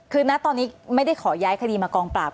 คือณตอนนี้ไม่ได้ขอย้ายคดีมากองปราบ